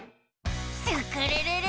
スクるるる！